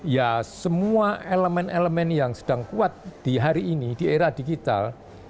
ya semua elemen elemen yang sedang kuat di hari ini di era digital